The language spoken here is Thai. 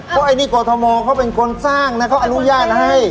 เพราะอันนี้กรทมเขาเป็นคนสร้างนะเขาอนุญาตให้